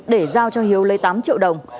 để giao cho hiếu lấy tám triệu đồng